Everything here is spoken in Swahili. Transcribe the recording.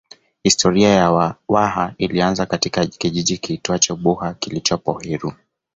Historia ya Waha ilianzia katika kijiji kiitwacho Buha kilichopo Heru